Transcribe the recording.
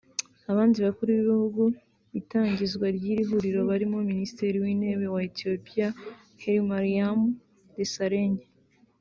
Abandi Bakuru b’Ibihugu itangizwa ry’iri huriro barimo Minisitiri w’Intebe wa Etiyopiya Hailemariam Desalegn